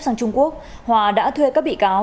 sang trung quốc hòa đã thuê các bị cáo